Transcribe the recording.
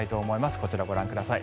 こちら、ご覧ください。